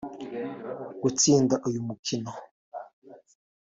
Gutsinda uyu mukino